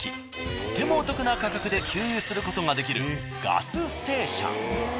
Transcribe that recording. とてもお得な価格で給油することができるガスステーション。